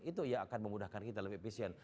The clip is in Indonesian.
itu yang akan memudahkan kita lebih efisien